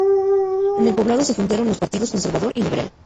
En el poblado se fundaron los partidos conservador y liberal.